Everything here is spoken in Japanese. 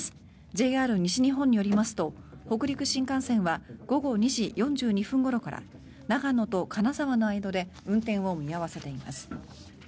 ＪＲ西日本によりますと北陸新幹線は午後２時４２分ごろから長野と金沢の間で運転を見合わせています。